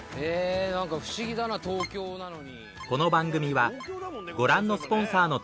何か不思議だな東京なのに。